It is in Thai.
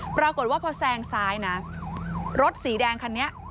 ปรากฏว่าพอแซงซ้ายนะรถสีแดงคันนี้